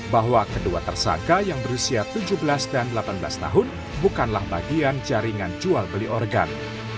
bahwa kedua tersangka yang berusia tujuh belas dan delapan belas tahun bukanlah bagian jaringan jual beli organ